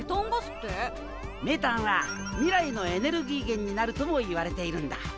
メタンは未来のエネルギー源になるともいわれているんだ。